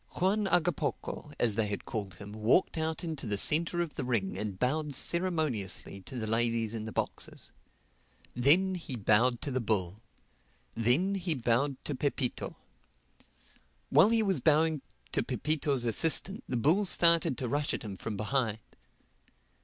Juan Hagapoco, as they had called him, walked out into the centre of the ring and bowed ceremoniously to the ladies in the boxes. Then he bowed to the bull. Then he bowed to Pepito. While he was bowing to Pepito's assistant the bull started to rush at him from behind.